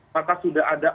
maka sudah ada